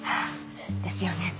ですよね。